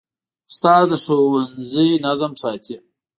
استاد د ښوونځي نظم ساتي.